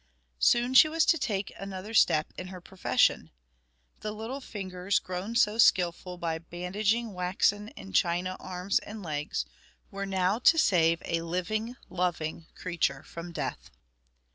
Soon she was to take another step in her profession. The little fingers grown so skillful by bandaging waxen and china arms and legs, were now to save a living, loving creature from death.